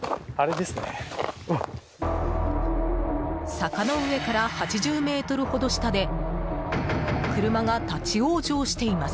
坂の上から８０ｍほど下で車が立ち往生しています。